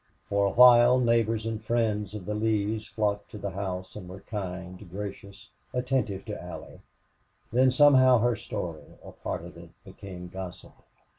For a while neighbors and friends of the Lees' flocked to the house and were kind, gracious, attentive to Allie. Then somehow her story, or part of it, became gossip.